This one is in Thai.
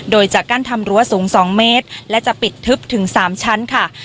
โดยจะกั้นทำรั้วสูง๒เมตรและจะปิดทึบถึง๓ชั้นค่ะ